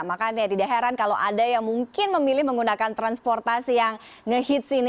makanya tidak heran kalau ada yang mungkin memilih menggunakan transportasi yang nge hits ini